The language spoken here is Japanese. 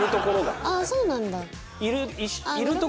ああそうなんだ。